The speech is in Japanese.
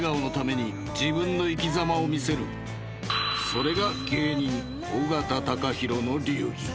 ［それが芸人尾形貴弘の流儀］